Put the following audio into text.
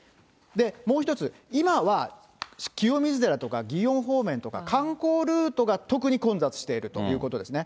もう一つ、今は清水寺とか祇園方面とか、観光ルートが特に混雑しているということですね。